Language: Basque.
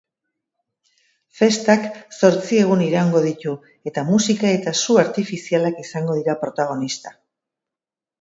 Festak zortzi egun iraungo ditu eta musika eta su artifizialak izango dira protagonista.